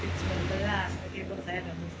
begitu saya dr stesia